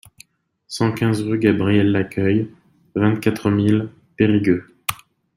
cent quinze rue Gabriel Lacueille, vingt-quatre mille Périgueux